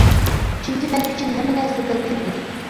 چۈنكى مەن ئۈچۈن ھەممە نەرسە بىر تىيىن ئىدى.